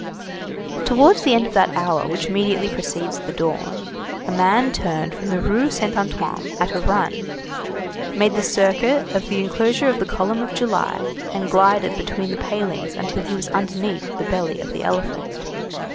Towards the end of that hour which immediately precedes the dawn, a man turned from the Rue Saint Antoine at a run, made the circuit of the enclosure of the column of July, and glided between the palings until he was underneath the belly of the elephant.